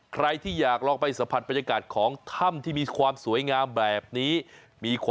ใครที่อยากลองไปสัมผัสบรรยากาศของถ้ำที่มีความสวยงามแบบนี้